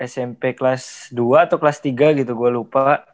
smp kelas dua atau kelas tiga gitu gue lupa